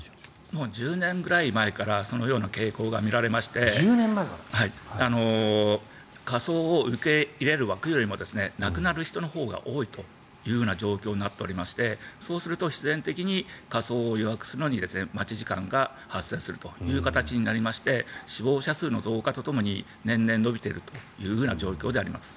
もう１０年ぐらい前からそのような傾向が見られまして火葬を受け入れる枠よりも亡くなる人のほうが多いというような状況になっておりましてそうすると必然的に火葬を予約するのに待ち時間が発生するという形になりまして死亡者数の増加とともに年々延びている状況であります。